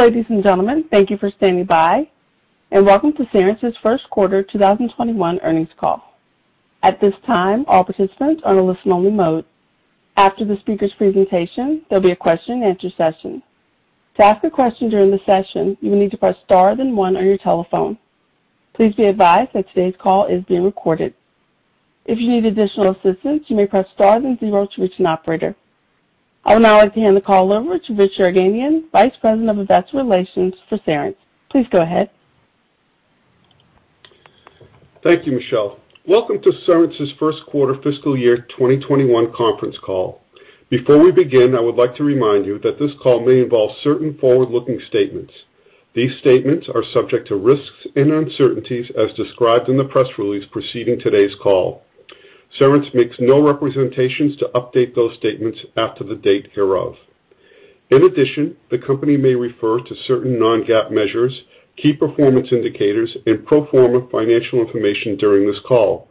Ladies and gentlemen, thank you for standing by, and welcome to Cerence's first quarter 2021 earnings call. At this time, all participants are on a listen-only mode. After the speaker's presentation, there will be a question and answer session. To ask a question during the session, you will need to press star then one on your telephone. Please be advised that today's call is being recorded. If you need additional assistance, you may press star then zero to reach an operator. I would now like to hand the call over to Rich Yerganian, Vice President of Investor Relations for Cerence. Please go ahead. Thank you, Michelle. Welcome to Cerence's first quarter fiscal year 2021 conference call. Before we begin, I would like to remind you that this call may involve certain forward-looking statements. These statements are subject to risks and uncertainties as described in the press release preceding today's call. Cerence makes no representations to update those statements after the date hereof. In addition, the company may refer to certain non-GAAP measures, key performance indicators, and pro forma financial information during this call.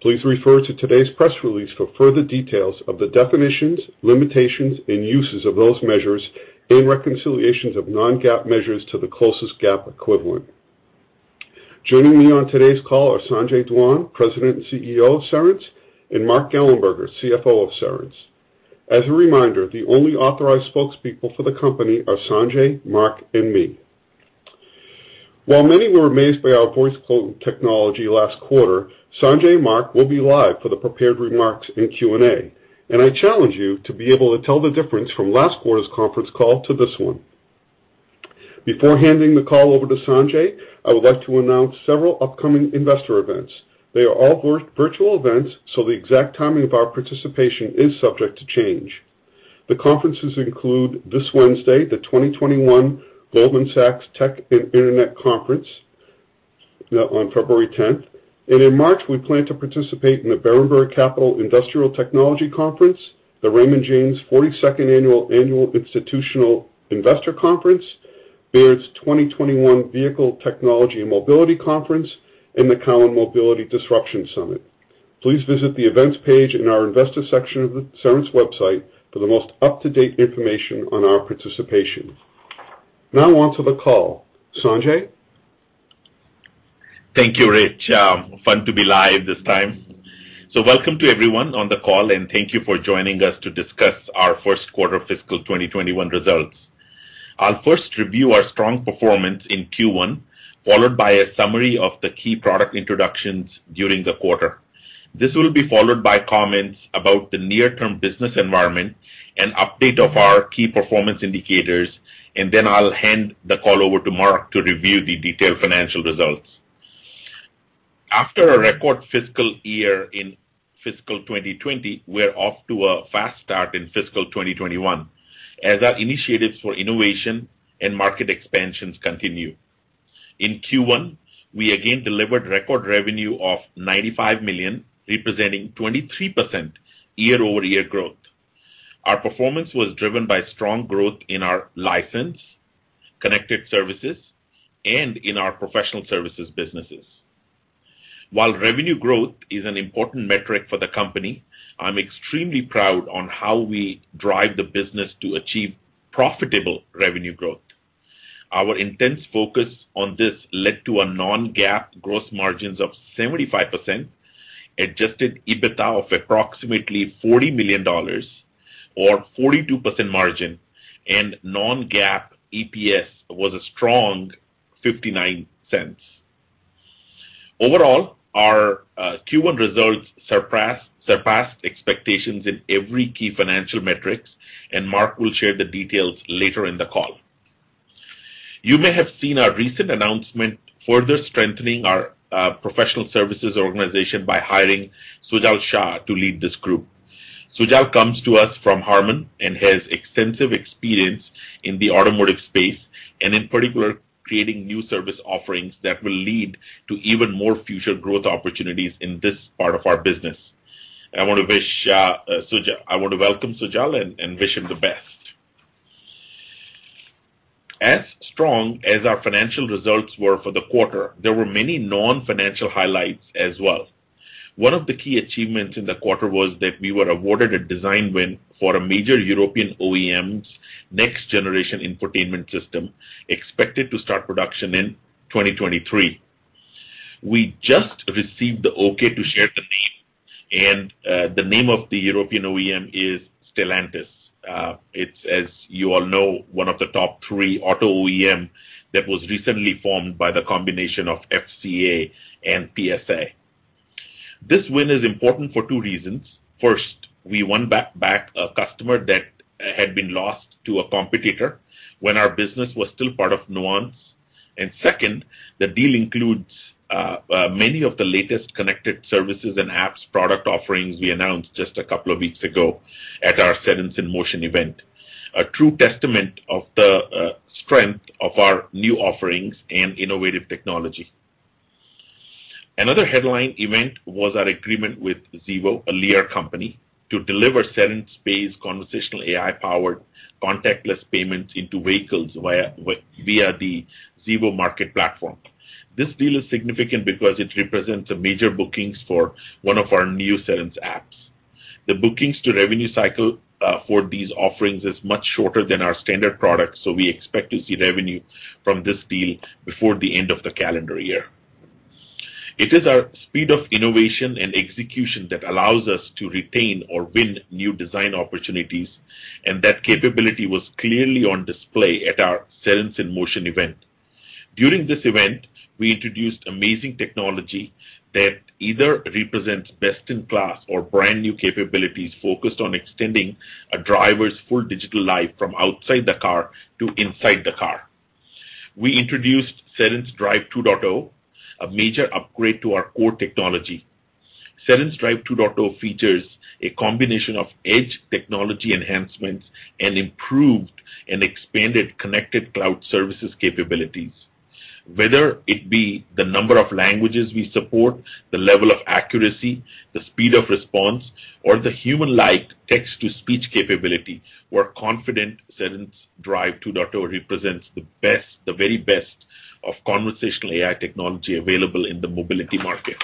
Please refer to today's press release for further details of the definitions, limitations, and uses of those measures, and reconciliations of non-GAAP measures to the closest GAAP equivalent. Joining me on today's call are Sanjay Dhawan, President and CEO of Cerence, and Mark Gallenberger, CFO of Cerence. As a reminder, the only authorized spokespeople for the company are Sanjay, Mark, and me. While many were amazed by our voice clone technology last quarter, Sanjay and Mark will be live for the prepared remarks in Q&A. I challenge you to be able to tell the difference from last quarter's conference call to this one. Before handing the call over to Sanjay, I would like to announce several upcoming investor events. They are all virtual events so the exact timing of our participation is subject to change. The conferences include this Wednesday, the 2021 Goldman Sachs Tech and Internet Conference on February 10th. In March, we plan to participate in the Berenberg Capital Industrial Technology Conference, the Raymond James 42nd Annual Institutional Investor Conference, Baird's 2021 Vehicle Technology & Mobility Conference, and the Cowen Mobility Disruption Summit. Please visit the Events page in our investor section of the Cerence website for the most up-to-date information on our participation. Now on to the call. Sanjay? Thank you, Rich. Fun to be live this time. Welcome to everyone on the call, and thank you for joining us to discuss our first quarter fiscal 2021 results. I'll first review our strong performance in Q1, followed by a summary of the key product introductions during the quarter. This will be followed by comments about the near-term business environment, an update of our key performance indicators, and then I'll hand the call over to Mark to review the detailed financial results. After a record fiscal year in fiscal 2020, we're off to a fast start in fiscal 2021 as our initiatives for innovation and market expansions continue. In Q1, we again delivered record revenue of $95 million, representing 23% year-over-year growth. Our performance was driven by strong growth in our license, connected services, and in our Professional Services businesses. While revenue growth is an important metric for the company, I'm extremely proud on how we drive the business to achieve profitable revenue growth. Our intense focus on this led to a non-GAAP gross margins of 75%, Adjusted EBITDA of approximately $40 million, or 42% margin, and non-GAAP EPS was a strong $0.59. Overall, our Q1 results surpassed expectations in every key financial metric, and Mark will share the details later in the call. You may have seen our recent announcement further strengthening our Professional Services organization by hiring Sujal Shah to lead this group. Sujal comes to us from HARMAN and has extensive experience in the automotive space, and in particular, creating new service offerings that will lead to even more future growth opportunities in this part of our business. I want to welcome Sujal and wish him the best. As strong as our financial results were for the quarter, there were many non-financial highlights as well. One of the key achievements in the quarter was that we were awarded a design win for a major European OEM's next generation infotainment system, expected to start production in 2023. We just received the okay to share the name, the name of the European OEM is Stellantis. It's, as you all know, one of the top three auto OEM that was recently formed by the combination of FCA and PSA. This win is important for two reasons. First, we won back a customer that had been lost to a competitor when our business was still part of Nuance. Second, the deal includes many of the latest connected services and apps product offerings we announced just a couple of weeks ago at our Cerence In Motion event, a true testament of the strength of our new offerings and innovative technology. Another headline event was our agreement with Xevo, a Lear company, to deliver Cerence-based conversational AI-powered contactless payments into vehicles via the Xevo Market platform. This deal is significant because it represents a major booking for one of our new Cerence apps. The bookings to revenue cycle for these offerings is much shorter than our standard product, we expect to see revenue from this deal before the end of the calendar year. It is our speed of innovation and execution that allows us to retain or win new design opportunities, that capability was clearly on display at our Cerence In Motion event. During this event, we introduced amazing technology that either represents best-in-class or brand-new capabilities focused on extending a driver's full digital life from outside the car to inside the car. We introduced Cerence Drive 2.0, a major upgrade to our core technology. Cerence Drive 2.0 features a combination of edge technology enhancements and improved and expanded connected cloud services capabilities. Whether it be the number of languages we support, the level of accuracy, the speed of response, or the human-like text-to-speech capability, we're confident Cerence Drive 2.0 represents the very best of conversational AI technology available in the mobility market.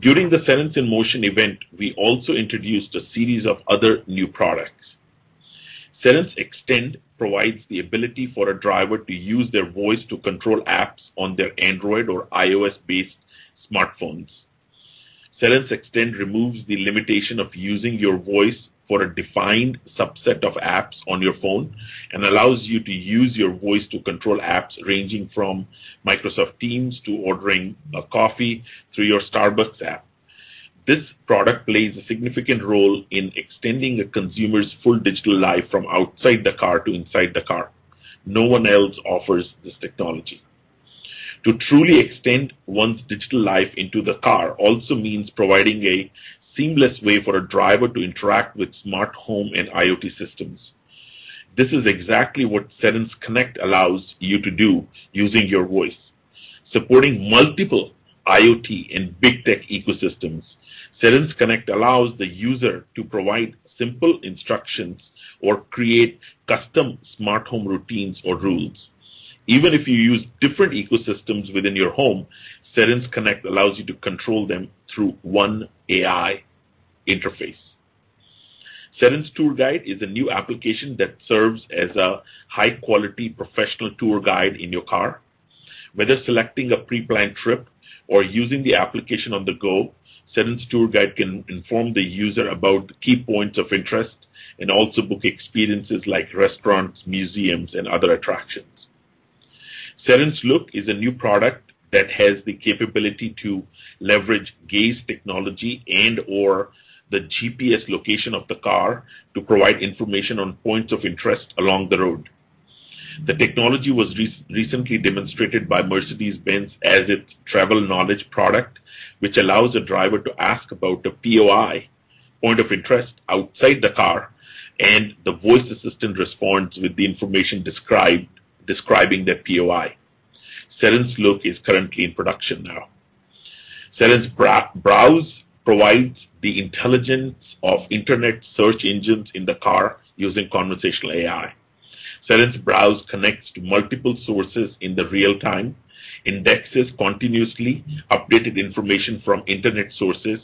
During the Cerence In Motion event, we also introduced a series of other new products. Cerence Extend provides the ability for a driver to use their voice to control apps on their Android or iOS-based smartphones. Cerence Extend removes the limitation of using your voice for a defined subset of apps on your phone and allows you to use your voice to control apps ranging from Microsoft Teams to ordering a coffee through your Starbucks app. This product plays a significant role in extending a consumer's full digital life from outside the car to inside the car. No one else offers this technology. To truly extend one's digital life into the car also means providing a seamless way for a driver to interact with smart home and IoT systems. This is exactly what Cerence Connect allows you to do using your voice. Supporting multiple IoT and big tech ecosystems, Cerence Connect allows the user to provide simple instructions or create custom smart home routines or rules. Even if you use different ecosystems within your home, Cerence Connect allows you to control them through one AI interface. Cerence Tour Guide is a new application that serves as a high-quality professional tour guide in your car. Whether selecting a pre-planned trip or using the application on the go, Cerence Tour Guide can inform the user about key points of interest and also book experiences like restaurants, museums, and other attractions. Cerence Look is a new product that has the capability to leverage gaze technology and/or the GPS location of the car to provide information on points of interest along the road. The technology was recently demonstrated by Mercedes-Benz as its Travel Knowledge product, which allows a driver to ask about a POI, point of interest, outside the car, and the voice assistant responds with the information describing the POI. Cerence Look is currently in production now. Cerence Browse provides the intelligence of internet search engines in the car using conversational AI. Cerence Browse connects to multiple sources in real-time, indexes continuously updated information from internet sources,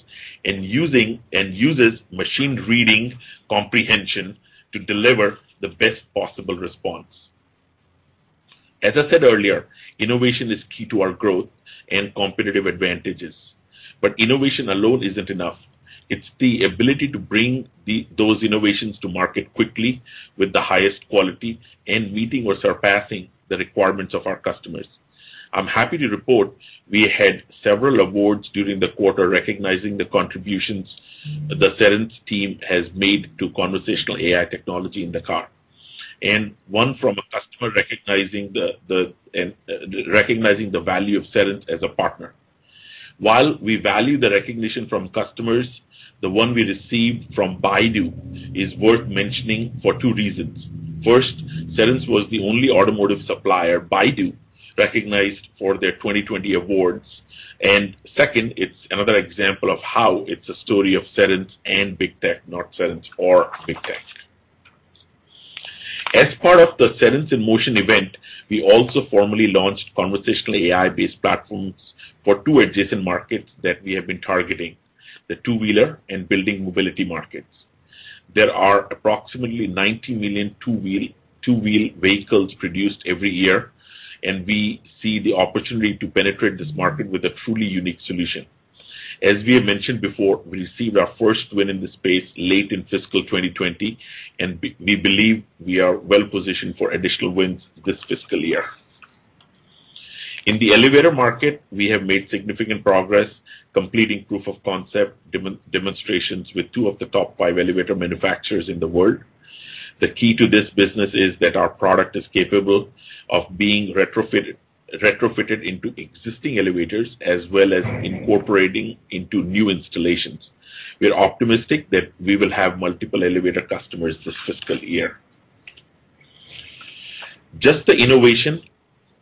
and uses machine reading comprehension to deliver the best possible response. As I said earlier, innovation is key to our growth and competitive advantages. Innovation alone isn't enough. It's the ability to bring those innovations to market quickly with the highest quality and meeting or surpassing the requirements of our customers. I'm happy to report we had several awards during the quarter recognizing the contributions the Cerence team has made to conversational AI technology in the car, and one from a customer recognizing the value of Cerence as a partner. While we value the recognition from customers, the one we received from Baidu is worth mentioning for two reasons. First, Cerence was the only automotive supplier Baidu recognized for their 2020 awards. Second, it's another example of how it's a story of Cerence and big tech, not Cerence or big tech. As part of the Cerence In Motion event, we also formally launched conversational AI-based platforms for two adjacent markets that we have been targeting, the two-wheeler and Building Mobility markets. There are approximately 90 million two-wheel vehicles produced every year, and we see the opportunity to penetrate this market with a truly unique solution. As we have mentioned before, we received our first win in this space late in fiscal 2020, and we believe we are well-positioned for additional wins this fiscal year. In the elevator market, we have made significant progress, completing proof of concept demonstrations with two of the top five elevator manufacturers in the world. The key to this business is that our product is capable of being retrofitted into existing elevators as well as incorporating into new installations. We're optimistic that we will have multiple elevator customers this fiscal year. Just the innovation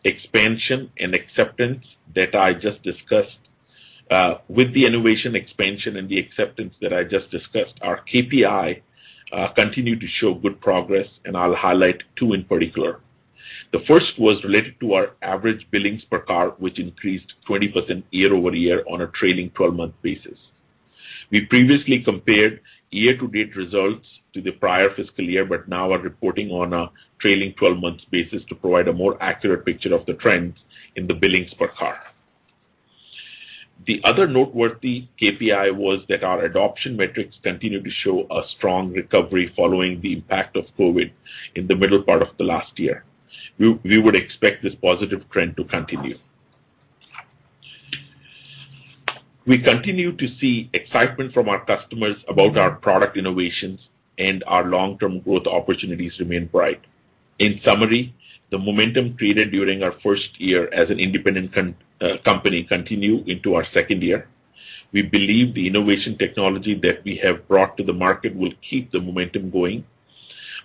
expansion and the acceptance that I just discussed, our KPI continue to show good progress, and I'll highlight two in particular. The first was related to our average billings per car, which increased 20% year-over-year on a trailing 12-month basis. We previously compared year to date results to the prior fiscal year, but now are reporting on a trailing 12-month basis to provide a more accurate picture of the trends in the billings per car. The other noteworthy KPI was that our adoption metrics continued to show a strong recovery following the impact of COVID in the middle part of the last year. We would expect this positive trend to continue. We continue to see excitement from our customers about our product innovations and our long-term growth opportunities remain bright. In summary, the momentum created during our first year as an independent company continue into our second year. We believe the innovation technology that we have brought to the market will keep the momentum going.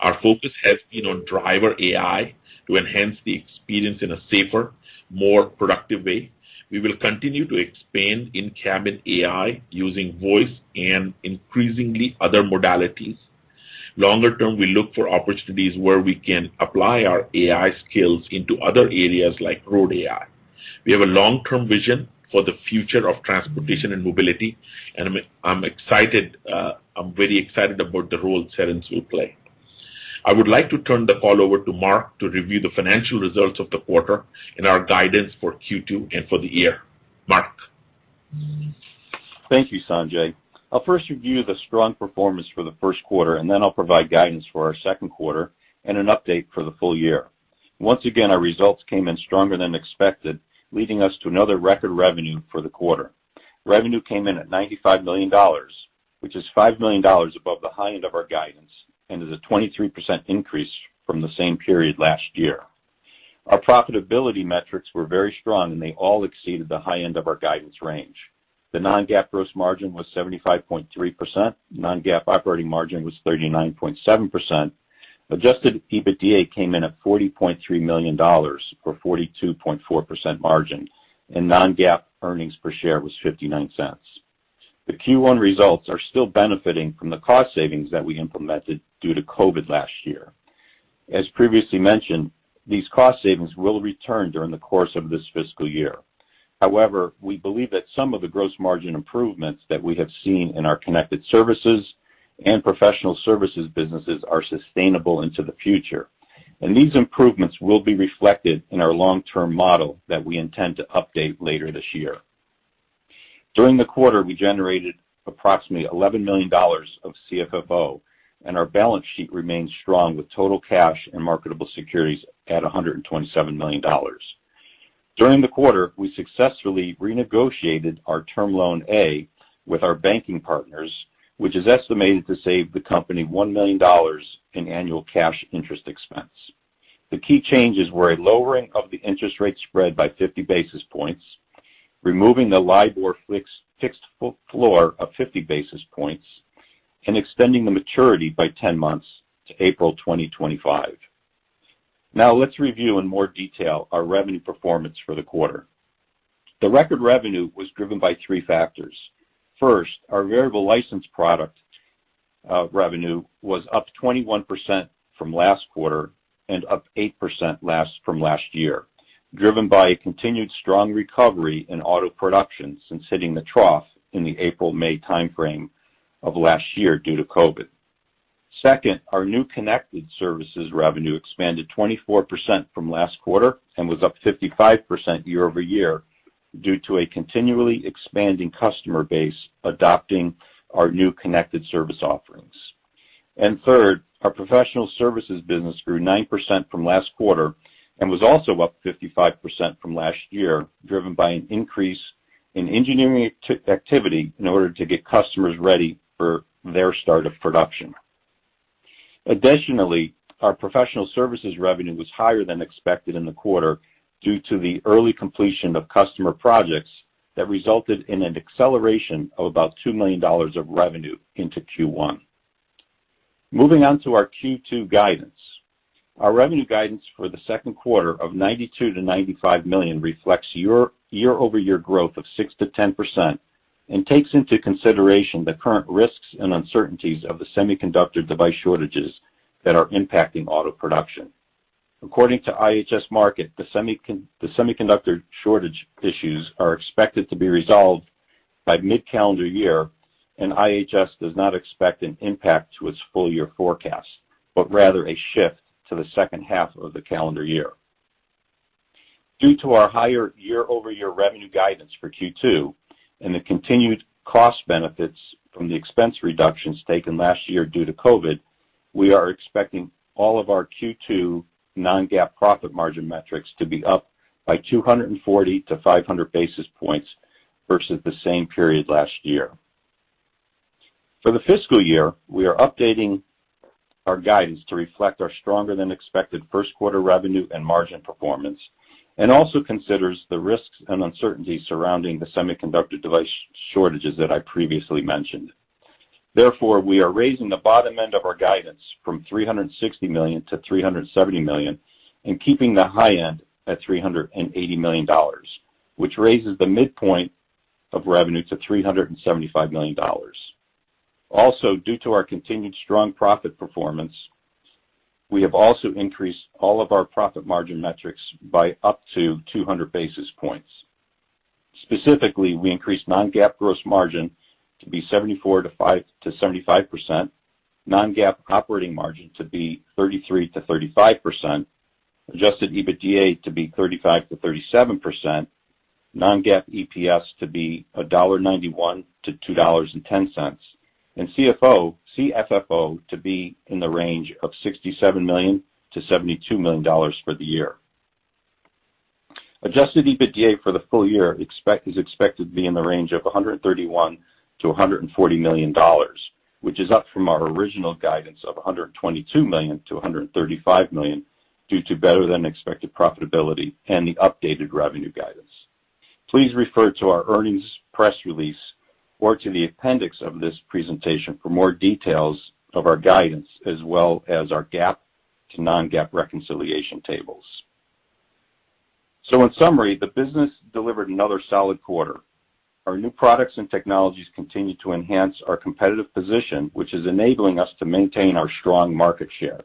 Our focus has been on Driver AI to enhance the experience in a safer, more productive way. We will continue to expand Cabin AI using voice and increasingly other modalities. Longer term, we look for opportunities where we can apply our AI skills into other areas like Road AI. We have a long-term vision for the future of transportation and mobility, and I'm very excited about the role Cerence will play. I would like to turn the call over to Mark to review the financial results of the quarter and our guidance for Q2 and for the year. Mark? Thank you, Sanjay. I'll first review the strong performance for the first quarter, then I'll provide guidance for our second quarter and an update for the full year. Once again, our results came in stronger than expected, leading us to another record revenue for the quarter. Revenue came in at $95 million, which is $5 million above the high end of our guidance and is a 23% increase from the same period last year. Our profitability metrics were very strong, and they all exceeded the high end of our guidance range. The non-GAAP gross margin was 75.3%. Non-GAAP operating margin was 39.7%. Adjusted EBITDA came in at $40.3 million, or 42.4% margin, and non-GAAP earnings per share was $0.59. The Q1 results are still benefiting from the cost savings that we implemented due to COVID last year. As previously mentioned, these cost savings will return during the course of this fiscal year. However, we believe that some of the gross margin improvements that we have seen in our connected services and Professional Services businesses are sustainable into the future, and these improvements will be reflected in our long-term model that we intend to update later this year. During the quarter, we generated approximately $11 million of CFFO, and our balance sheet remains strong with total cash and marketable securities at $127 million. During the quarter, we successfully renegotiated our Term Loan A with our banking partners, which is estimated to save the company $1 million in annual cash interest expense. The key changes were a lowering of the interest rate spread by 50 basis points, removing the LIBOR fixed floor of 50 basis points, and extending the maturity by 10 months to April 2025. Let's review in more detail our revenue performance for the quarter. The record revenue was driven by three factors. First, our variable license product revenue was up 21% from last quarter and up 8% from last year, driven by a continued strong recovery in auto production since hitting the trough in the April, May timeframe of last year due to COVID. Second, our new connected services revenue expanded 24% from last quarter and was up 55% year-over-year due to a continually expanding customer base adopting our new Connected Service offerings. Third, our Professional Services business grew 9% from last quarter and was also up 55% from last year, driven by an increase in engineering activity in order to get customers ready for their start of production. Additionally, our Professional Services revenue was higher than expected in the quarter due to the early completion of customer projects that resulted in an acceleration of about $2 million of revenue into Q1. Moving on to our Q2 guidance. Our revenue guidance for the second quarter of $92 million-$95 million reflects year-over-year growth of 6%-10% and takes into consideration the current risks and uncertainties of the semiconductor device shortages that are impacting auto production. According to IHS Markit, the semiconductor shortage issues are expected to be resolved by mid-calendar year, and IHS does not expect an impact to its full-year forecast, but rather a shift to the second half of the calendar year. Due to our higher year-over-year revenue guidance for Q2 and the continued cost benefits from the expense reductions taken last year due to COVID, we are expecting all of our Q2 non-GAAP profit margin metrics to be up by 240-500 basis points versus the same period last year. For the fiscal year, we are updating our guidance to reflect our stronger than expected first quarter revenue and margin performance, and also considers the risks and uncertainties surrounding the semiconductor device shortages that I previously mentioned. Therefore, we are raising the bottom end of our guidance from $360 million-$370 million and keeping the high end at $380 million, which raises the midpoint of revenue to $375 million. Due to our continued strong profit performance, we have also increased all of our profit margin metrics by up to 200 basis points. Specifically, we increased non-GAAP gross margin to be 74%-75%, non-GAAP operating margin to be 33%-35%, Adjusted EBITDA to be 35%-37%, non-GAAP EPS to be $1.91-$2.10, and CFFO to be in the range of $67 million-$72 million for the year. Adjusted EBITDA for the full year is expected to be in the range of $131 million-$140 million, which is up from our original guidance of $122 million-$135 million due to better-than-expected profitability and the updated revenue guidance. Please refer to our earnings press release or to the appendix of this presentation for more details of our guidance, as well as our GAAP to non-GAAP reconciliation tables. In summary, the business delivered another solid quarter. Our new products and technologies continue to enhance our competitive position, which is enabling us to maintain our strong market share.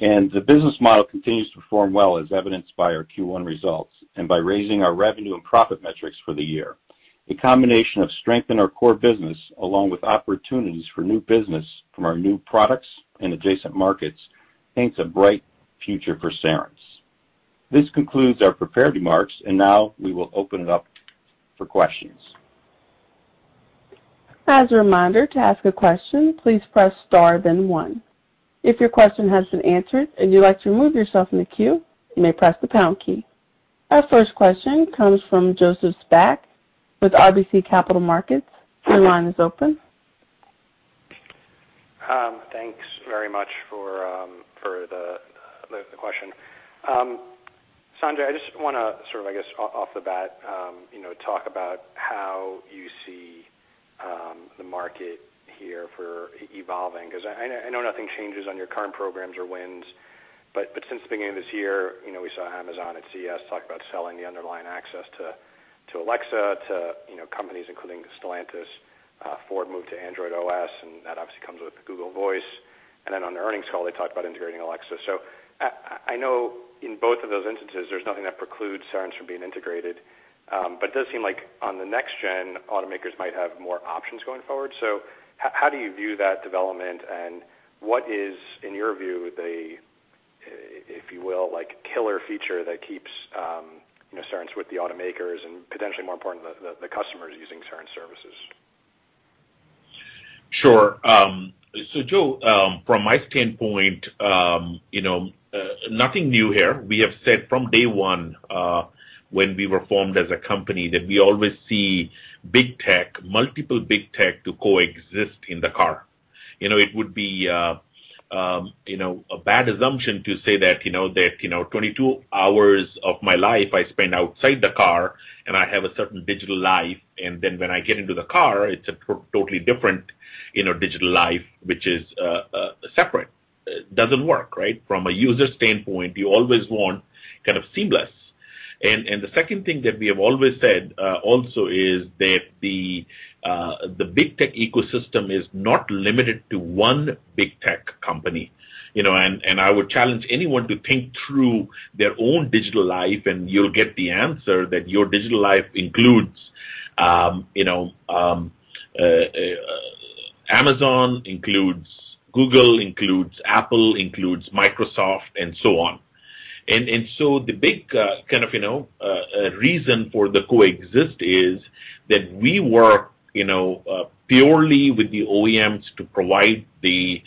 The business model continues to perform well, as evidenced by our Q1 results and by raising our revenue and profit metrics for the year. The combination of strength in our core business, along with opportunities for new business from our new products and adjacent markets, paints a bright future for Cerence. This concludes our prepared remarks, and now we will open it up for questions. As a reminder, to ask a question, please press star then one. If your question has been answered and you'd like to remove yourself from the queue, you may press the pound key. Our first question comes from Joseph Spak with RBC Capital Markets. Your line is open. Thanks very much for the question. Sanjay, I just want to sort of, I guess, off the bat talk about how you see the market here evolving, because I know nothing changes on your current programs or wins. Since the beginning of this year, we saw Amazon at CES talk about selling the underlying access to Alexa, to companies including Stellantis. Ford moved to Android OS, that obviously comes with Google Voice. On the earnings call, they talked about integrating Alexa. I know in both of those instances, there's nothing that precludes Cerence from being integrated. It does seem like on the next gen, automakers might have more options going forward. How do you view that development, and what is, in your view, if you will, killer feature that keeps Cerence with the automakers and potentially more important, the customers using Cerence services? Sure. Joe, from my standpoint, nothing new here. We have said from day one when we were formed as a company that we always see big tech, multiple big tech to coexist in the car. It would be a bad assumption to say that 22 hours of my life I spend outside the car and I have a certain digital life, and then when I get into the car, it's a totally different digital life, which is separate. It doesn't work, right? From a user standpoint, you always want kind of seamless. The second thing that we have always said also is that the big tech ecosystem is not limited to one big tech company. I would challenge anyone to think through their own digital life, and you'll get the answer that your digital life includes Amazon, includes Google, includes Apple, includes Microsoft, and so on. The big kind of reason for the coexist is that we work purely with the OEMs to provide the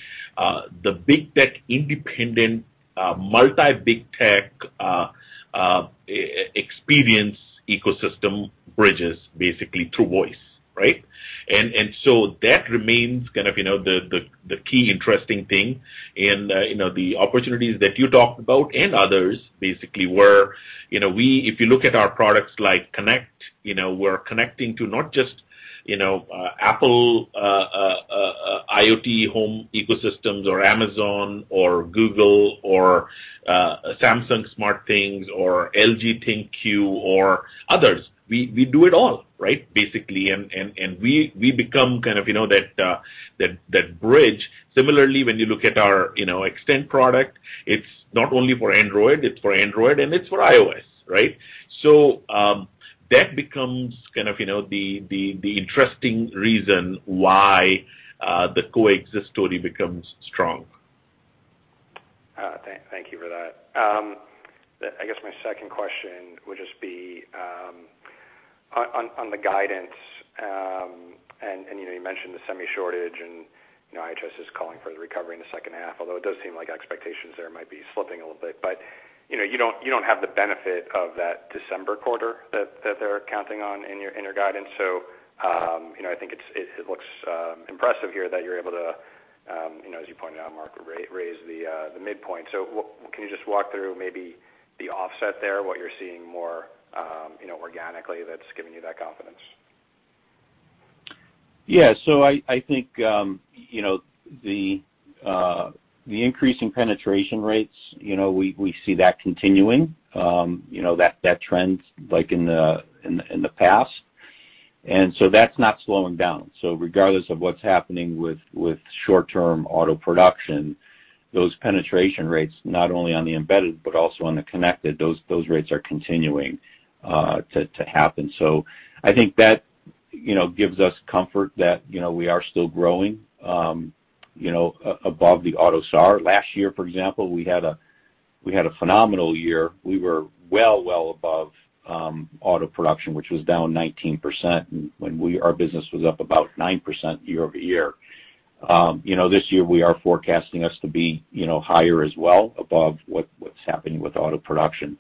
big tech independent, multi-big tech experience ecosystem bridges basically through voice, right. That remains kind of the key interesting thing. The opportunities that you talked about and others basically where if you look at our products like Connect, we're connecting to not just Apple IoT home ecosystems or Amazon or Google or Samsung SmartThings or LG ThinQ or others. We do it all, right, basically, and we become kind of that bridge. Similarly, when you look at our Extend product, it's not only for Android, it's for Android and it's for iOS, right. That becomes kind of the interesting reason why the coexist story becomes strong. Thank you for that. I guess my second question would just be on the guidance, and you mentioned the semi shortage and IHS is calling for the recovery in the second half, although it does seem like expectations there might be slipping a little bit. You don't have the benefit of that December quarter that they're counting on in your guidance. I think it looks impressive here that you're able to, as you pointed out, Mark, raise the midpoint. Can you just walk through maybe the offset there, what you're seeing more organically that's giving you that confidence? I think the increase in penetration rates, we see that continuing, that trend like in the past. That's not slowing down. Regardless of what's happening with short-term auto production, those penetration rates, not only on the embedded but also on the connected, those rates are continuing to happen. I think that gives us comfort that we are still growing above the autos. Last year, for example, we had a phenomenal year. We were well above auto production, which was down 19%, and our business was up about 9% year-over-year. This year, we are forecasting us to be higher as well above what's happening with auto production.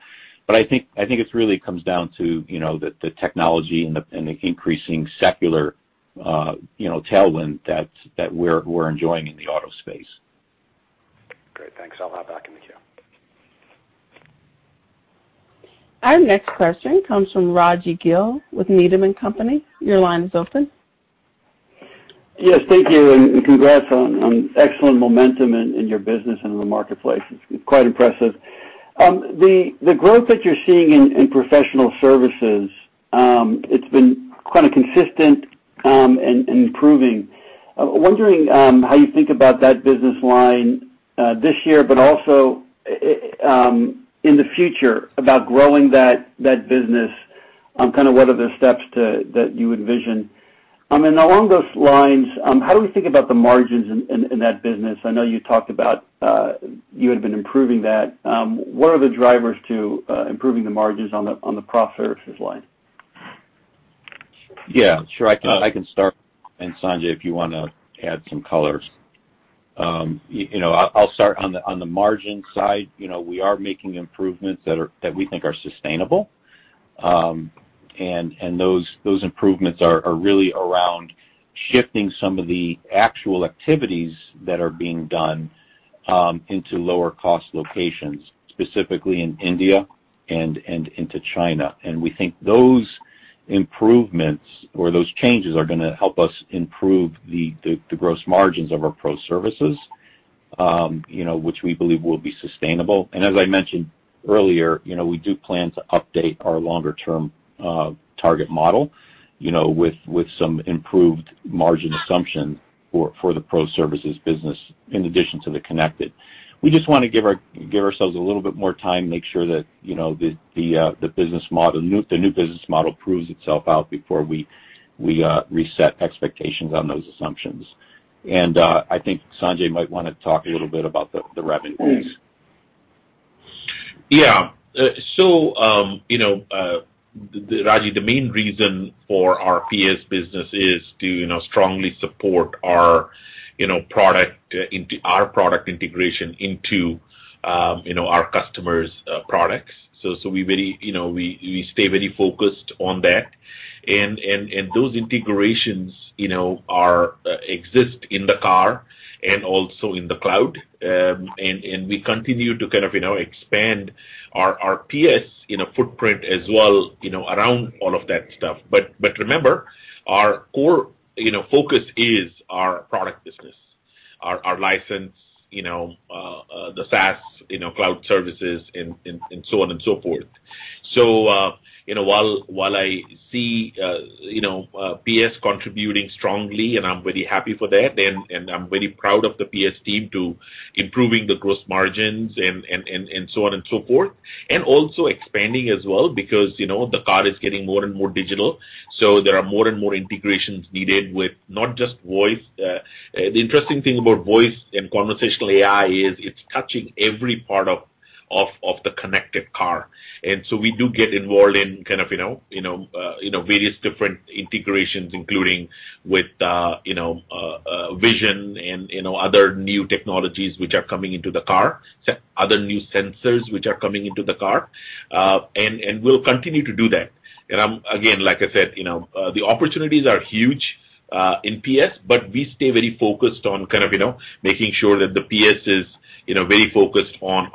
I think it really comes down to the technology and the increasing secular tailwind that we're enjoying in the auto space. Great. Thanks. I'll hop back in the queue. Our next question comes from Raji Gill with Needham and Company. Your line is open. Yes, thank you, and congrats on excellent momentum in your business and in the marketplace. It's quite impressive. The growth that you're seeing in Professional Services, it's been kind of consistent and improving. I'm wondering how you think about that business line this year, but also in the future about growing that business, kind of what are the steps that you envision? Along those lines, how do we think about the margins in that business? I know you talked about you had been improving that. What are the drivers to improving the margins on the pro services line? Yeah, sure. I can start, Sanjay, if you want to add some color. I'll start on the margin side. We are making improvements that we think are sustainable. Those improvements are really around shifting some of the actual activities that are being done into lower cost locations, specifically in India and into China. We think those improvements or those changes are going to help us improve the gross margins of our Professional Services, which we believe will be sustainable. As I mentioned earlier, we do plan to update our longer-term target model with some improved margin assumption for the Professional Services business in addition to the connected. We just want to give ourselves a little bit more time, make sure that the new business model proves itself out before we reset expectations on those assumptions. I think Sanjay might want to talk a little bit about the revenues. Yeah. Raji, the main reason for our PS business is to strongly support our product integration into our customers' products. We stay very focused on that. Those integrations exist in the car and also in the cloud, and we continue to kind of expand our PS footprint as well around all of that stuff. Remember, our core focus is our product business, our license, the SaaS cloud services, and so on and so forth. While I see PS contributing strongly, and I'm very happy for that, and I'm very proud of the PS team to improving the gross margins and so on and so forth, and also expanding as well, because the car is getting more and more digital. There are more and more integrations needed with not just voice. The interesting thing about voice and conversational AI is it's touching every part of the connected car. So we do get involved in kind of various different integrations, including with vision and other new technologies which are coming into the car, other new sensors which are coming into the car. We'll continue to do that. Again, like I said, the opportunities are huge in PS, but we stay very focused on kind of making sure that the PS is very focused on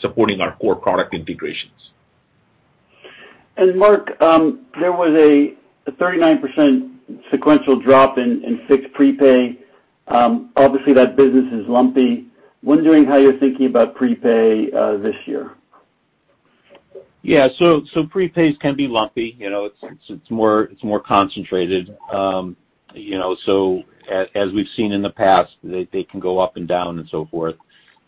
supporting our core product integrations. Mark, there was a 39% sequential drop in fixed prepay. Obviously, that business is lumpy. I'm wondering how you're thinking about prepay this year? Yeah. Prepays can be lumpy. It's more concentrated. As we've seen in the past, they can go up and down and so forth.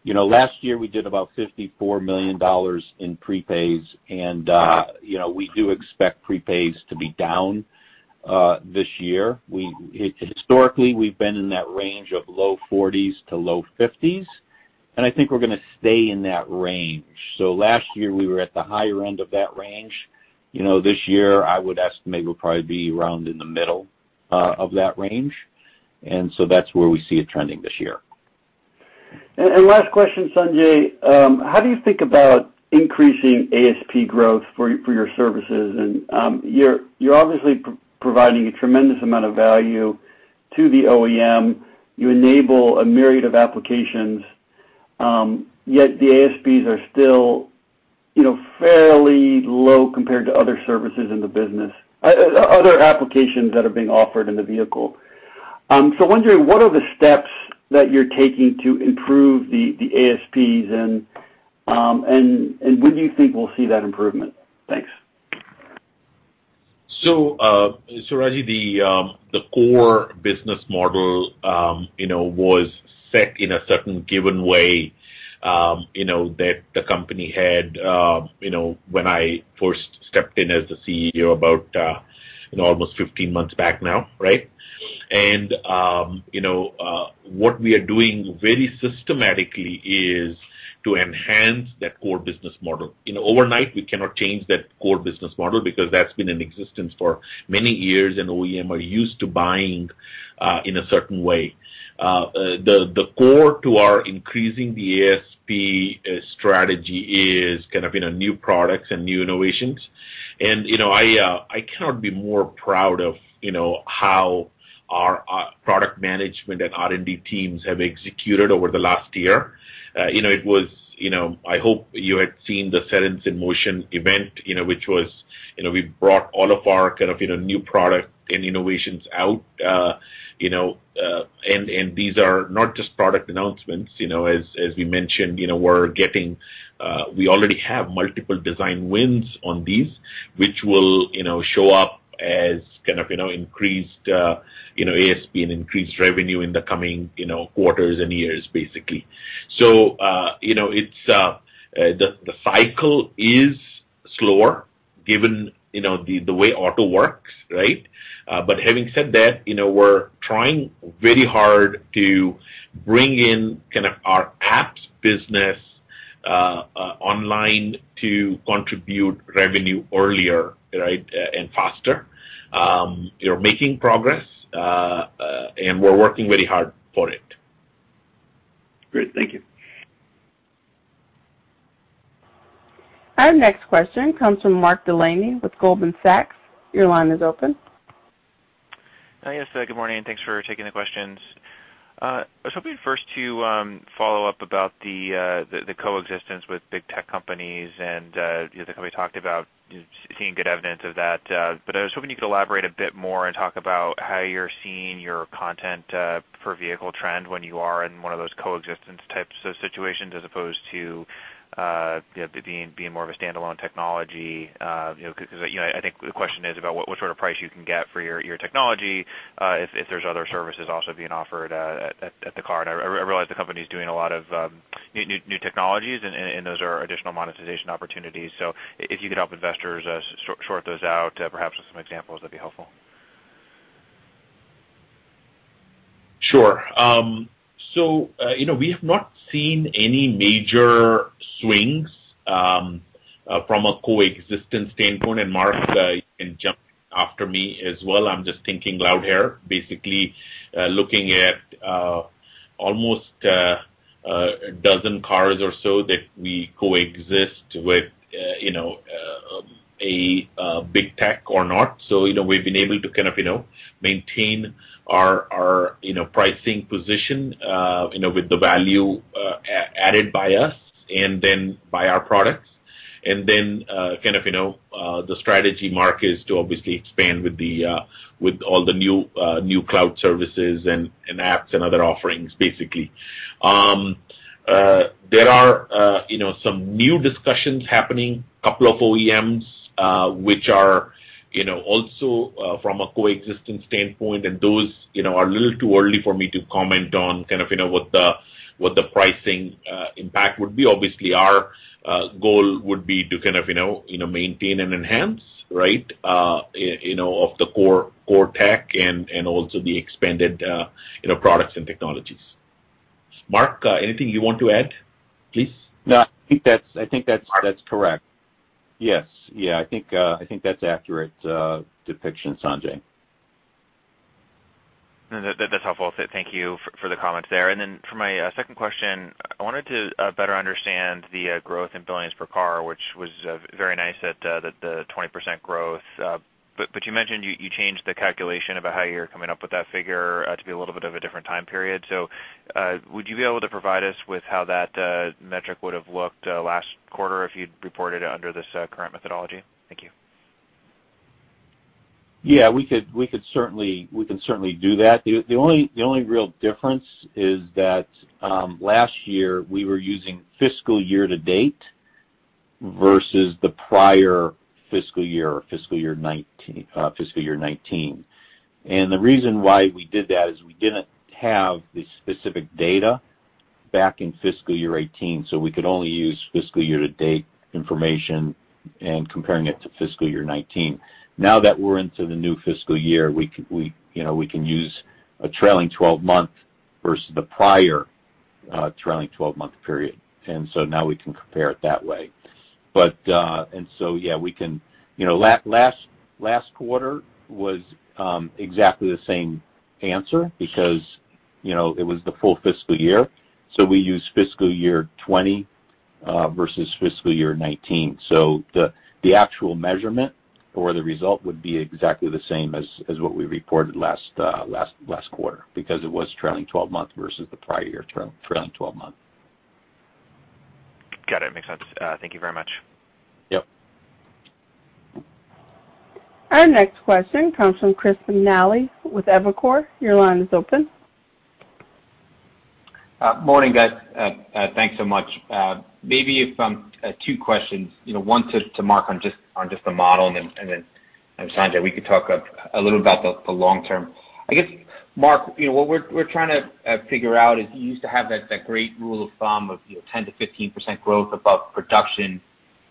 Last year, we did about $54 million in prepays, and we do expect prepays to be down this year. Historically, we've been in that range of low 40s to low 50s, and I think we're going to stay in that range. Last year, we were at the higher end of that range. This year, I would estimate we'll probably be around in the middle of that range. That's where we see it trending this year. Last question, Sanjay. How do you think about increasing ASP growth for your services? You're obviously providing a tremendous amount of value to the OEM. You enable a myriad of applications, yet the ASPs are still- fairly low compared to other services in the business, other applications that are being offered in the vehicle. Wondering, what are the steps that you're taking to improve the ASPs, and when do you think we'll see that improvement? Thanks. Raji, the core business model was set in a certain given way that the company had when I first stepped in as the CEO about almost 15 months back now, right? What we are doing very systematically is to enhance that core business model. Overnight, we cannot change that core business model because that's been in existence for many years, and OEM are used to buying in a certain way. The core to our increasing the ASP strategy is new products and new innovations. I cannot be more proud of how our product management and R&D teams have executed over the last year. I hope you had seen the Cerence In Motion event, which was, we brought all of our new product and innovations out, and these are not just product announcements. As we mentioned, we already have multiple design wins on these, which will show up as increased ASP and increased revenue in the coming quarters and years, basically. The cycle is slower given the way auto works, right? Having said that, we're trying very hard to bring in our apps business online to contribute revenue earlier, right, and faster. We're making progress, and we're working very hard for it. Great. Thank you. Our next question comes from Mark Delaney with Goldman Sachs. Your line is open. Yes. Good morning, thanks for taking the questions. I was hoping first to follow up about the coexistence with big tech companies and the company talked about seeing good evidence of that. I was hoping you could elaborate a bit more and talk about how you're seeing your content per vehicle trend when you are in one of those coexistence types of situations as opposed to being more of a standalone technology. I think the question is about what sort of price you can get for your technology, if there's other services also being offered at the car. I realize the company's doing a lot of new technologies, and those are additional monetization opportunities. If you could help investors sort those out, perhaps with some examples, that'd be helpful. Sure. We have not seen any major swings from a coexistence standpoint, and Mark can jump in after me as well. I'm just thinking loud here. Basically, looking at almost 12 cars or so that we coexist with a big tech or not. We've been able to maintain our pricing position with the value added by us and then by our products. The strategy, Mark, is to obviously expand with all the new cloud services and apps and other offerings, basically. There are some new discussions happening, couple of OEMs, which are also from a coexistence standpoint, and those are a little too early for me to comment on what the pricing impact would be. Obviously, our goal would be to maintain and enhance, right, of the core tech and also the expanded products and technologies. Mark, anything you want to add, please? No, I think that's correct. Yes. I think that's accurate depiction, Sanjay. No, that's helpful. Thank you for the comments there. For my second question, I wanted to better understand the growth in billings per car, which was very nice at the 20% growth. You mentioned you changed the calculation about how you're coming up with that figure to be a little bit of a different time period. Would you be able to provide us with how that metric would've looked last quarter if you'd reported it under this current methodology? Thank you. Yeah, we can certainly do that. The only real difference is that last year we were using fiscal year to date versus the prior fiscal year, fiscal year 2019. The reason why we did that is we didn't have the specific data back in fiscal year 2018, so we could only use fiscal year to date information and comparing it to fiscal year 2019. Now that we're into the new fiscal year, we can use a trailing 12-month versus the prior trailing 12-month period. Now we can compare it that way. Last quarter was exactly the same answer because it was the full fiscal year. We used fiscal year 2020 versus fiscal year 2019. The actual measurement or the result would be exactly the same as what we reported last quarter because it was trailing 12-months versus the prior year trailing 12-months. Got it. Makes sense. Thank you very much. Yep. Our next question comes from Chris McNally with Evercore. Your line is open. Morning, guys. Thanks so much. Maybe two questions. One to Mark on just the model, and then, Sanjay, we could talk a little about the long term. I guess, Mark, what we're trying to figure out is you used to have that great rule of thumb of 10%-15% growth above production.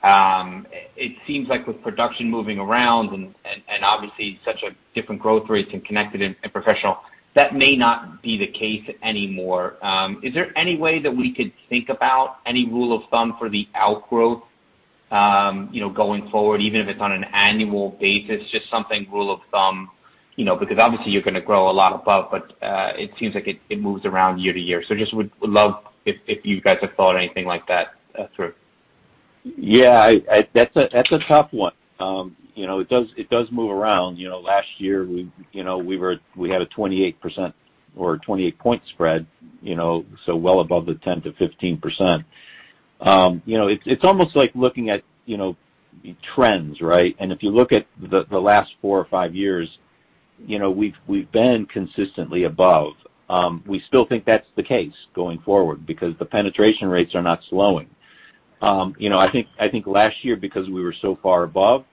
It seems like with production moving around and obviously such different growth rates in connected and professional, that may not be the case anymore. Is there any way that we could think about any rule of thumb for the outgrowth going forward, even if it's on an annual basis, just something rule of thumb? Because obviously you're going to grow a lot above, but it seems like it moves around year to year. Just would love if you guys have thought anything like that through. Yeah. That's a tough one. It does move around. Last year we had a 28% or 28-point spread, so well above the 10%-15%. It's almost like looking at trends, right? If you look at the last four or five years, we've been consistently above. We still think that's the case going forward because the penetration rates are not slowing. I think last year, because we were so far above,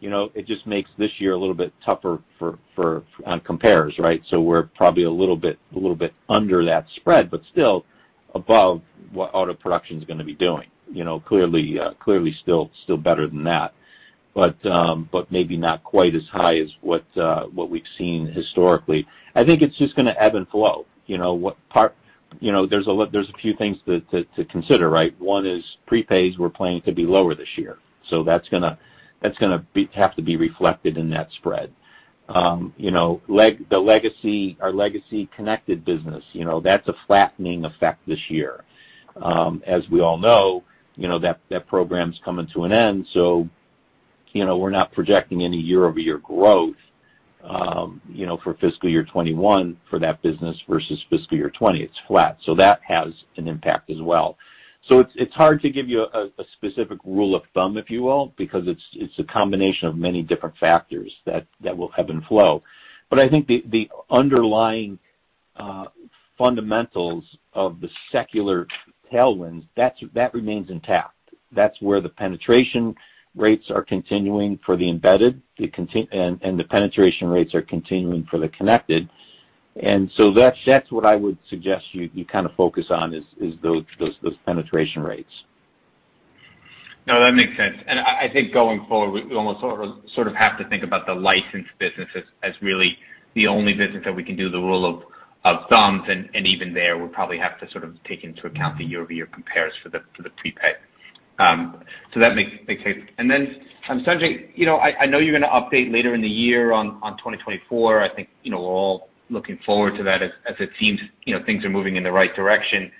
it just makes this year a little bit tougher on compares, right? We're probably a little bit under that spread, but still above what auto production is going to be doing. Clearly still better than that, but maybe not quite as high as what we've seen historically. I think it's just going to ebb and flow. There's a few things to consider, right? One is prepays we're planning to be lower this year, that's going to have to be reflected in that spread. Our legacy connected business, that's a flattening effect this year. As we all know, that program's coming to an end, we're not projecting any year-over-year growth for fiscal year 2021 for that business versus fiscal year 2020. It's flat. That has an impact as well. It's hard to give you a specific rule of thumb, if you will, because it's a combination of many different factors that will ebb and flow. I think the underlying fundamentals of the secular tailwinds, that remains intact. That's where the penetration rates are continuing for the embedded, the penetration rates are continuing for the connected. That's what I would suggest you kind of focus on is those penetration rates. No, that makes sense. I think going forward, we almost sort of have to think about the licensed business as really the only business that we can do the rule of thumbs. Even there, we'll probably have to sort of take into account the year-over-year compares for the prepaid. That makes sense. Sanjay, I know you're going to update later in the year on 2024. I think we're all looking forward to that as it seems things are moving in the right direction.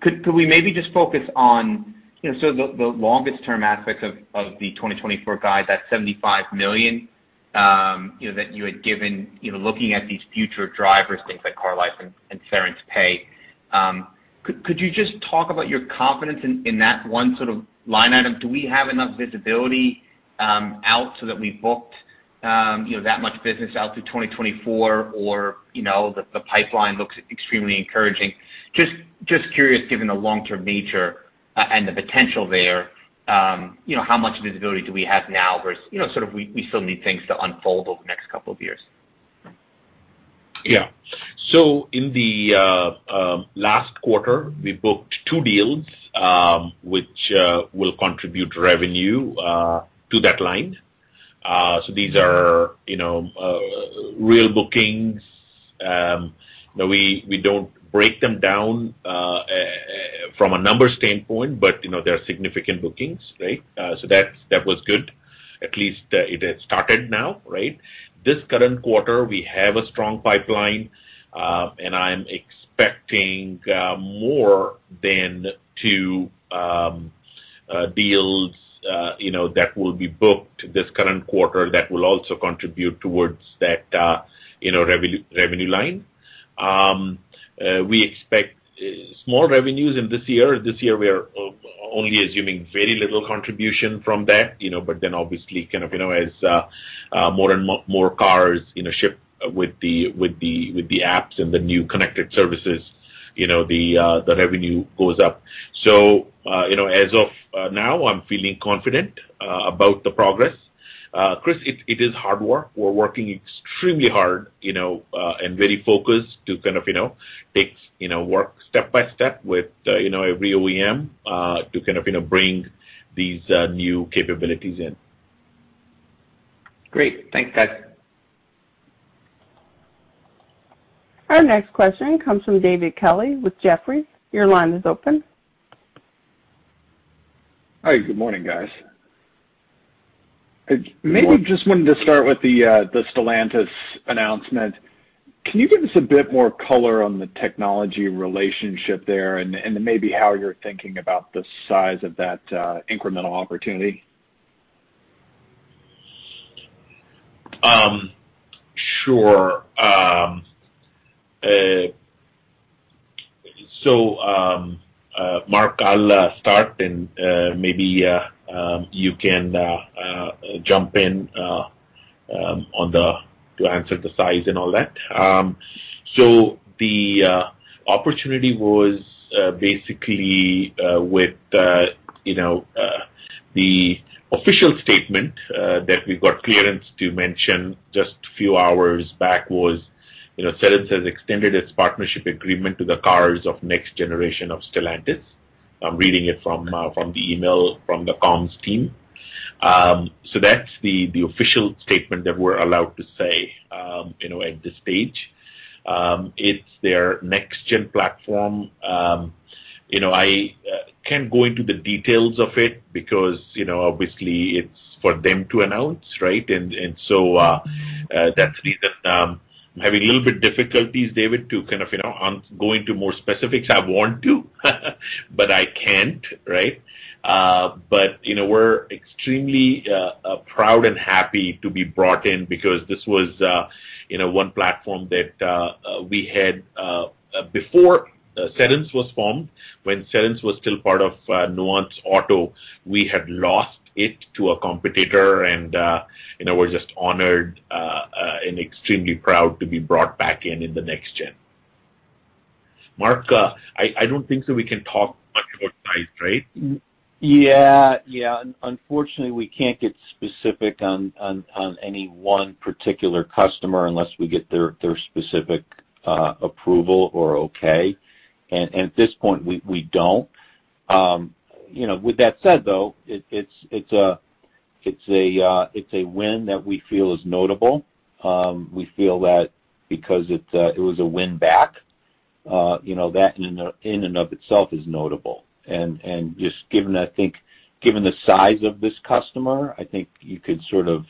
Could we maybe just focus on the longest term aspects of the 2024 guide, that $75 million that you had given looking at these future drivers, things like Car Life and Cerence Pay. Could you just talk about your confidence in that one sort of line item? Do we have enough visibility out so that we've booked that much business out through 2024? The pipeline looks extremely encouraging. Just curious, given the long-term nature and the potential there, how much visibility do we have now versus we still need things to unfold over the next couple of years. Yeah so in the last quarter, we booked two deals which will contribute revenue to that line. These are real bookings. We don't break them down from a numbers standpoint, they're significant bookings, right? That was good. At least it has started now, right? This current quarter, we have a strong pipeline, I'm expecting more than two deals that will be booked this current quarter that will also contribute towards that revenue line. We expect more revenues in this year. This year we are only assuming very little contribution from that, obviously as more and more cars ship with the apps and the new connected services, the revenue goes up. As of now, I'm feeling confident about the progress. Chris, it is hard work. We're working extremely hard and very focused to kind of take work step by step with every OEM to kind of bring these new capabilities in. Great. Thanks, guys. Our next question comes from David Kelley with Jefferies. Your line is open. Hi. Good morning, guys. Good morning. Maybe just wanted to start with the Stellantis announcement. Can you give us a bit more color on the technology relationship there and maybe how you're thinking about the size of that incremental opportunity? Sure. Mark, I'll start, and maybe you can jump in to answer the size and all that. The opportunity was basically with the official statement that we got clearance to mention just a few hours back was Cerence has extended its partnership agreement to the cars of next generation of Stellantis. I'm reading it from the email from the comms team. That's the official statement that we're allowed to say at this stage. It's their next-gen platform. I can't go into the details of it because obviously, it's for them to announce, right? That's the reason I'm having a little bit difficulties, David, to kind of go into more specifics. I want to, but I can't, right? We're extremely proud and happy to be brought in because this was one platform that before Cerence was formed, when Cerence was still part of Nuance Auto, we had lost it to a competitor, and we're just honored and extremely proud to be brought back in in the next gen. Mark, I don't think that we can talk much about price, right? Yeah. Unfortunately, we can't get specific on any one particular customer unless we get their specific approval or okay. At this point, we don't. With that said, though, it's a win that we feel is notable. We feel that because it was a win-back, that in and of itself is notable. Just given the size of this customer, I think you could sort of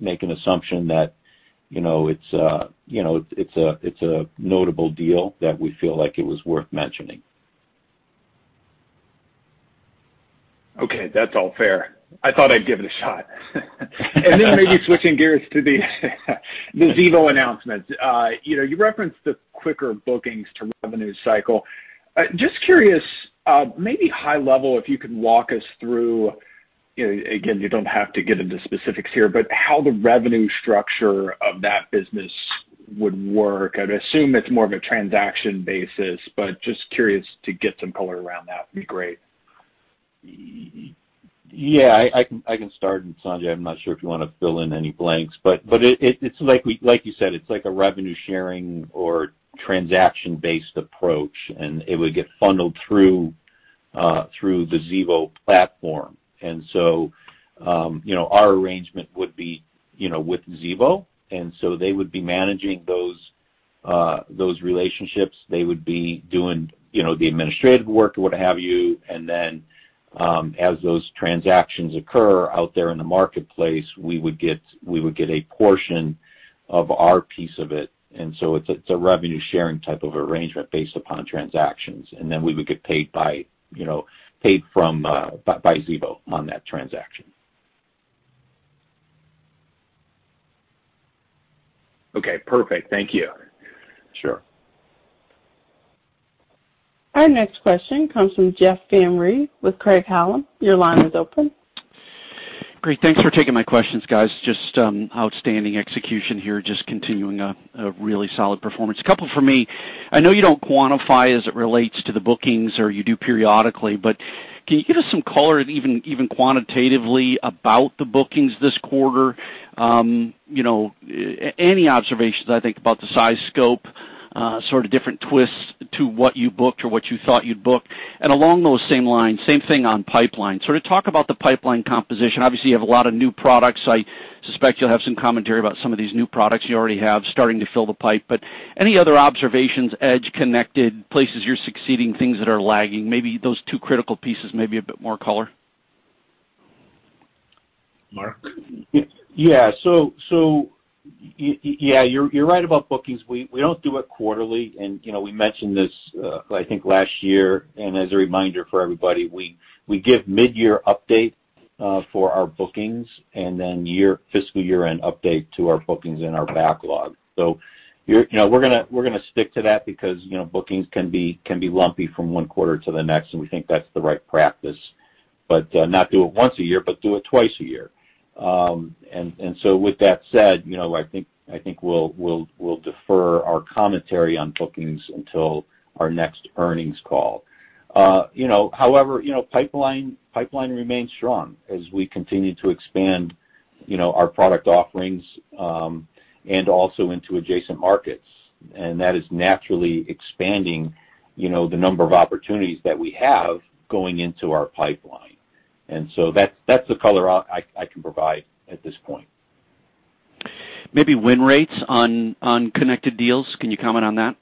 make an assumption that it's a notable deal that we feel like it was worth mentioning. Okay, that's all fair. Then maybe switching gears to the Xevo announcement. You referenced the quicker bookings to revenue cycle. Just curious, maybe high level, if you could walk us through, again, you don't have to get into specifics here, but how the revenue structure of that business would work. I'd assume it's more of a transaction basis, but just curious to get some color around that would be great. Yeah, I can start. Sanjay, I'm not sure if you want to fill in any blanks, but it's like you said, it's like a revenue-sharing or transaction-based approach, and it would get funneled through the Xevo platform. Our arrangement would be with Xevo, and so they would be managing those relationships. They would be doing the administrative work or what have you, and then, as those transactions occur out there in the marketplace, we would get a portion of our piece of it. It's a revenue-sharing type of arrangement based upon transactions. Then we would get paid by Xevo on that transaction. Okay, perfect. Thank you. Sure. Our next question comes from Jeff Van Rhee with Craig-Hallum. Great. Thanks for taking my questions, guys. Just outstanding execution here. Just continuing a really solid performance. A couple from me. I know you don't quantify as it relates to the bookings, or you do periodically, but can you give us some color, even quantitatively, about the bookings this quarter? Any observations, I think, about the size, scope, sort of different twists to what you booked or what you thought you'd book. Along those same lines, same thing on pipeline. Sort of talk about the pipeline composition. Obviously, you have a lot of new products. I suspect you'll have some commentary about some of these new products you already have starting to fill the pipe. Any other observations, edge, connected, places you're succeeding, things that are lagging, maybe those two critical pieces, maybe a bit more color? Mark? Yeah. You're right about bookings. We don't do it quarterly, and we mentioned this, I think, last year. As a reminder for everybody, we give mid-year update for our bookings and then fiscal year-end update to our bookings and our backlog. We're going to stick to that because bookings can be lumpy from one quarter to the next, and we think that's the right practice. Not do it once a year, but do it twice a year. With that said, I think we'll defer our commentary on bookings until our next earnings call. However, pipeline remains strong as we continue to expand our product offerings, and also into adjacent markets. That is naturally expanding the number of opportunities that we have going into our pipeline. That's the color I can provide at this point. Maybe win rates on connected deals. Can you comment on that?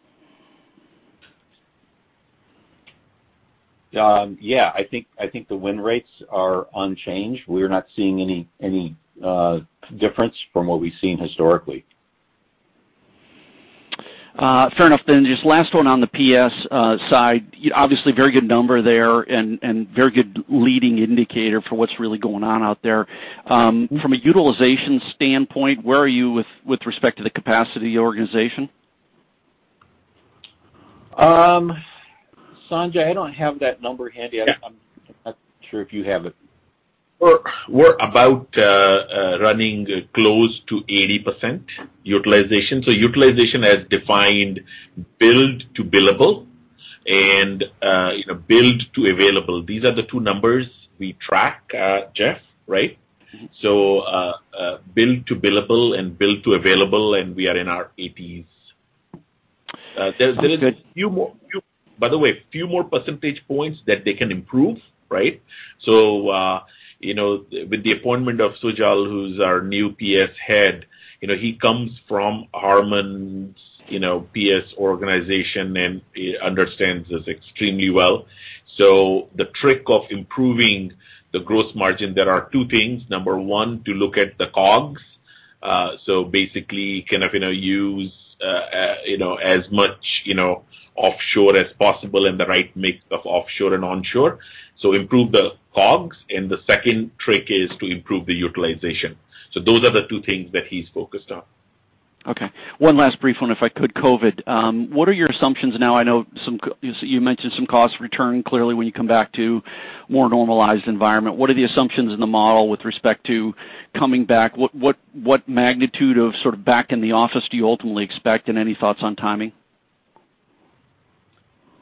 Yeah, I think the win rates are unchanged. We're not seeing any difference from what we've seen historically. Fair enough then. Just last one on the PS side, obviously very good number there and very good leading indicator for what's really going on out there. From a utilization standpoint, where are you with respect to the capacity organization? Sanjay, I don't have that number handy. Yeah. I'm not sure if you have it. We're about running close to 80% utilization. Utilization as defined, billed to billable and billed to available. These are the two numbers we track, Jeff, right? Billed to billable and billed to available, and we are in our 80s. Sounds good. By the way, few more percentage points that they can improve, right? With the appointment of Sujal, who's our new PS head, he comes from HARMAN's PS organization, and he understands this extremely well. The trick of improving the gross margin, there are two things. Number one, to look at the COGS. Basically, kind of use as much offshore as possible in the right mix of offshore and onshore. Improve the COGS, and the second trick is to improve the utilization. Those are the two things that he's focused on. Okay. One last brief one, if I could. COVID. What are your assumptions now? I know you mentioned some costs return clearly when you come back to more normalized environment. What are the assumptions in the model with respect to coming back? What magnitude of sort of back in the office do you ultimately expect, and any thoughts on timing?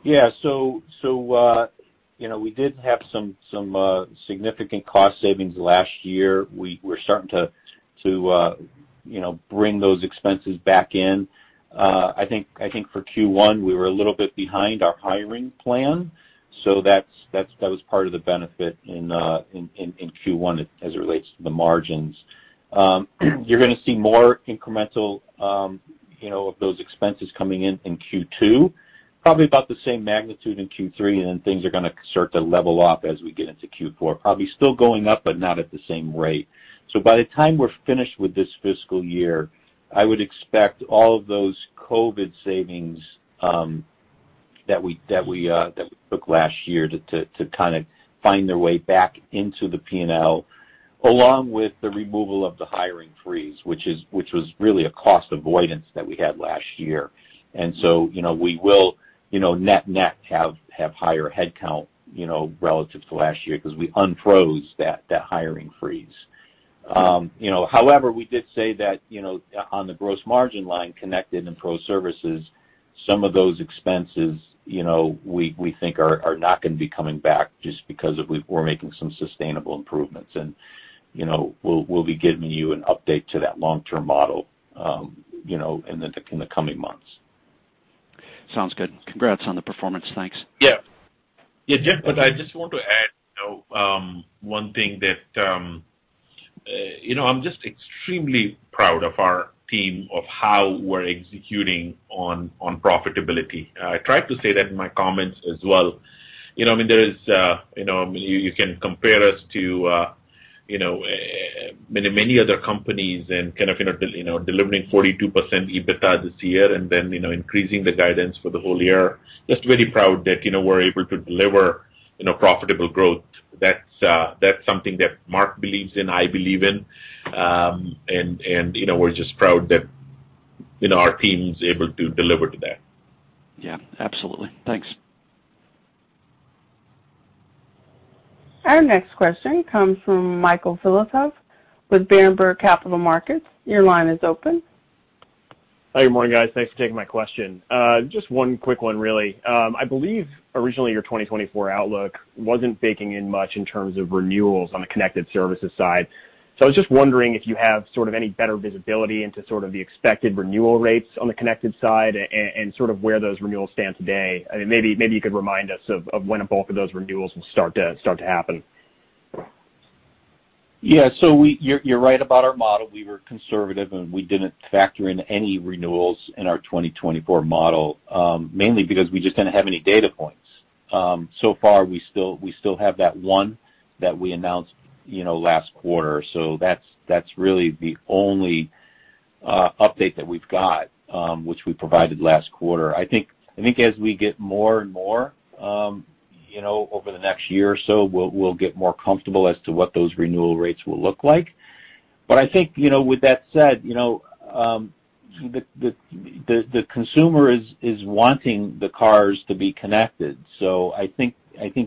Yeah. We did have some significant cost savings last year. We're starting to bring those expenses back in. I think for Q1, we were a little bit behind our hiring plan. That was part of the benefit in Q1 as it relates to the margins. You're gonna see more incremental of those expenses coming in in Q2, probably about the same magnitude in Q3, and then things are gonna start to level off as we get into Q4. Probably still going up, but not at the same rate. By the time we're finished with this fiscal year, I would expect all of those COVID savings that we took last year to kind of find their way back into the P&L, along with the removal of the hiring freeze, which was really a cost avoidance that we had last year. We will net-net have higher headcount relative to last year because we unfroze that hiring freeze. However, we did say that on the gross margin line, connected and pro services, some of those expenses, we think are not gonna be coming back just because we're making some sustainable improvements. We'll be giving you an update to that long-term model in the coming months. Sounds good. Congrats on the performance. Thanks. Yeah. Jeff, I just want to add one thing. I'm just extremely proud of our team, of how we're executing on profitability. I tried to say that in my comments as well. You can compare us to many other companies and kind of delivering 42% EBITDA this year and then increasing the guidance for the whole year. Just very proud that we're able to deliver profitable growth. That's something that Mark believes in, I believe in. We're just proud that our team's able to deliver to that. Yeah, absolutely. Thanks. Our next question comes from Michael Filatov with Berenberg Capital Markets. Your line is open. Hey, good morning, guys. Thanks for taking my question. Just one quick one, really. I believe originally your 2024 outlook wasn't baking in much in terms of renewals on the connected services side. I was just wondering if you have sort of any better visibility into sort of the expected renewal rates on the connected side and sort of where those renewals stand today. Maybe you could remind us of when both of those renewals will start to happen. Yeah. You're right about our model. We were conservative, and we didn't factor in any renewals in our 2024 model, mainly because we just didn't have any data points. Far, we still have that one that we announced last quarter. That's really the only update that we've got, which we provided last quarter. I think as we get more and more over the next year or so, we'll get more comfortable as to what those renewal rates will look like. I think, with that said, the consumer is wanting the cars to be connected. I think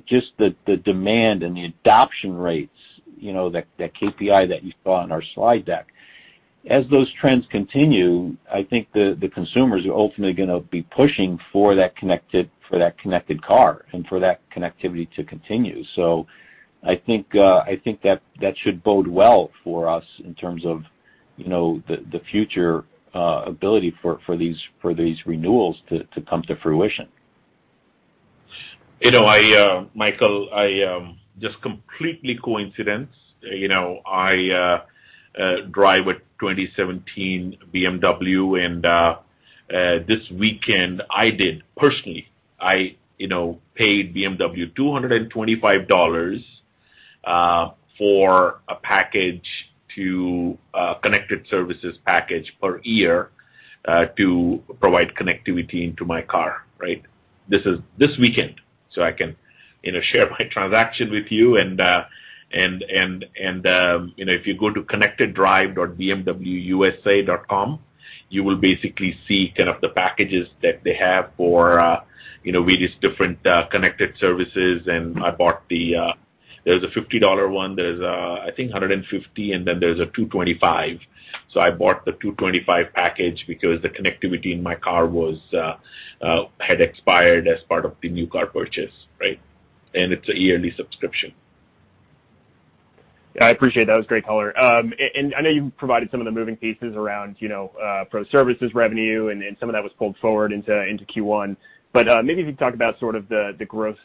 just the demand and the adoption rates, that KPI that you saw on our slide deck. As those trends continue, I think the consumers are ultimately gonna be pushing for that connected car and for that connectivity to continue. I think that should bode well for us in terms of the future ability for these renewals to come to fruition. Michael, just completely coincidence, I drive a 2017 BMW, and this weekend I did personally-I paid BMW $225 for a connected services package per year, to provide connectivity into my car. This weekend. I can share my transaction with you and, if you go to connecteddrive.bmwusa.com, you will basically see the packages that they have for various different connected services. There's a $50 one, there's, I think $150, and then there's a $225. I bought the $225 package because the connectivity in my car had expired as part of the new car purchase. It's a yearly subscription. I appreciate that. That was great color. I know you provided some of the moving pieces around Professional Services revenue and some of that was pulled forward into Q1. Maybe if you could talk about the growth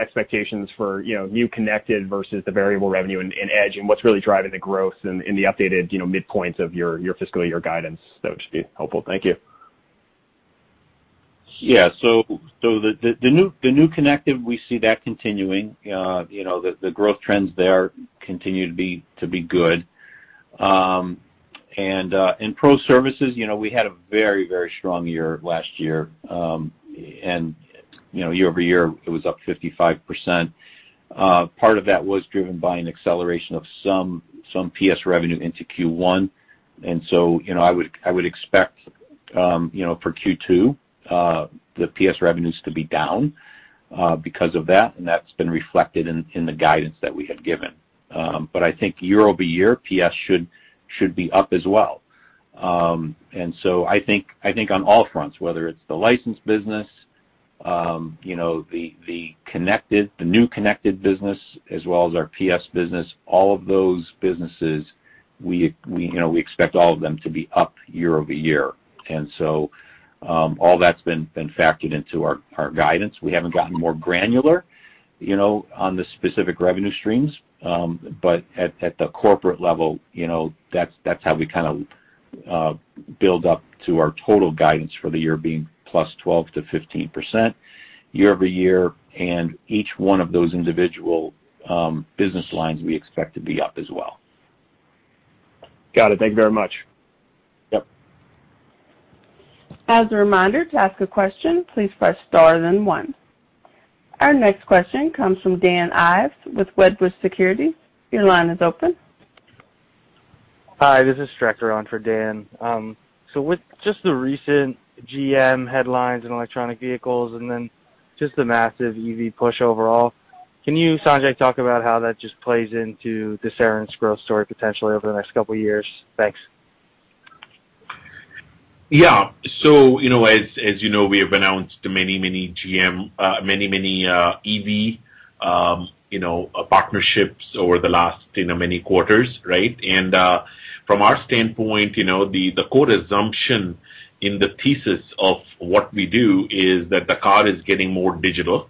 expectations for new connected versus the variable revenue in edge, and what's really driving the growth in the updated midpoints of your fiscal year guidance. That would just be helpful. Thank you. The new connective, we see that continuing. The growth trends there continue to be good. In pro services, we had a very strong year last year. Year-over-year, it was up 55%. Part of that was driven by an acceleration of some PS revenue into Q1. I would expect, for Q2, the PS revenues to be down because of that, and that's been reflected in the guidance that we had given. I think year-over-year, PS should be up as well. I think on all fronts, whether it's the license business, the new connected business, as well as our PS business, all of those businesses, we expect all of them to be up year-over-year. All that's been factored into our guidance. We haven't gotten more granular on the specific revenue streams. At the corporate level, that's how we build up to our total guidance for the year being plus 12%-15% year-over-year, and each one of those individual business lines we expect to be up as well. Got it. Thank you very much. Yep. As a reminder to ask a question, please press star and then one. Our next question comes from Dan Ives with Wedbush Securities. Hi, this is [inaudible] on for Dan. With just the recent GM headlines and electric vehicles, and then just the massive EV push overall, can you, Sanjay, talk about how that just plays into the Cerence growth story potentially over the next couple of years? Thanks. As you know, we have announced many EV partnerships over the last many quarters, right? From our standpoint, the core assumption in the thesis of what we do is that the car is getting more digital,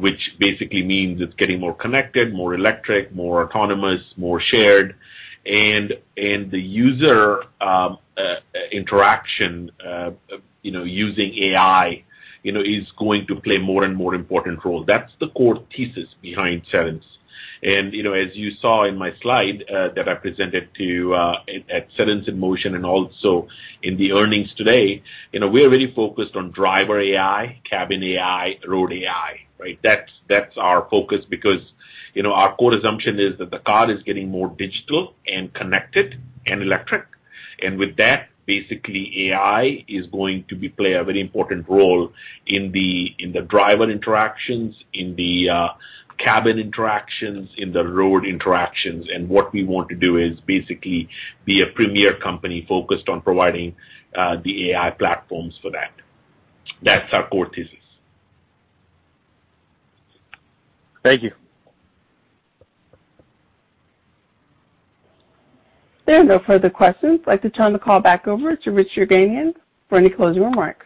which basically means it's getting more connected, more electric, more autonomous, more shared. The user interaction, using AI, is going to play more and more important role. That's the core thesis behind Cerence. As you saw in my slide that I presented to you at Cerence In Motion, and also in the earnings today, we are really focused on Driver AI, Cabin AI, Road AI, right? That's our focus because our core assumption is that the car is getting more digital and connected and electric. With that, basically, AI is going to play a very important role in the driver interactions, in the cabin interactions, in the road interactions. What we want to do is basically be a premier company focused on providing the AI platforms for that. That's our core thesis. Thank you. There are no further questions. I'd like to turn the call back over to Rich Yerganian for any closing remarks.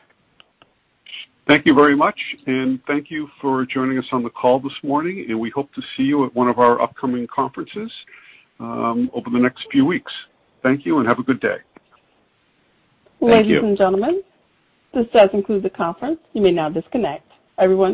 Thank you very much, and thank you for joining us on the call this morning, and we hope to see you at one of our upcoming conferences over the next few weeks. Thank you and have a good day. Ladies and gentlemen. Thank you. This does conclude the conference. You may now disconnect. Everyone